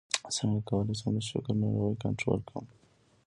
څنګه کولی شم د شکر ناروغي کنټرول کړم